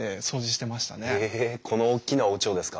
えこの大きなおうちをですか。